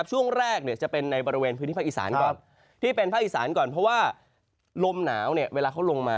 เหมือนพื้นที่มาอีสานก่อน